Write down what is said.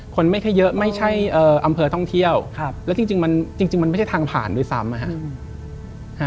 คนไม่ได้เยอะจริงมันไม่ใช่ทางผ่านด้วยซ้ำ